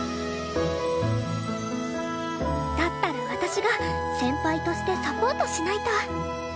だったら私が先輩としてサポートしないと